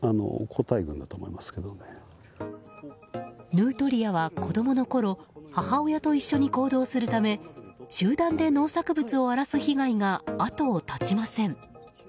ヌートリアは、子供のころ母親と一緒に行動するため集団で農作物を荒らす被害が後を絶ちません。